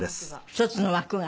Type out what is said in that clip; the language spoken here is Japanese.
１つの枠が。